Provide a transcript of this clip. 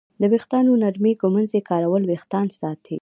د ویښتانو نرمې ږمنځې کارول وېښتان ساتي.